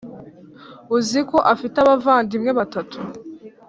uziko afite abavandimwe batatu